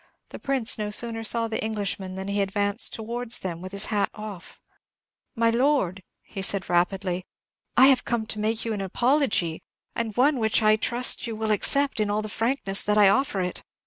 The Prince no sooner saw the Englishmen than he advanced towards them with his hat off. "My lord," said he, rapidly, "I have come to make you an apology, and one which I trust you will accept in all the frankness that I offer it.